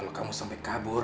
kalau kamu sampai kabur